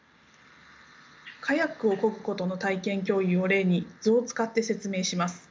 カヤックをこぐことの体験共有を例に図を使って説明します。